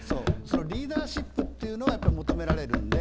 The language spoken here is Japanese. リーダーシップっていうのが求められるんで。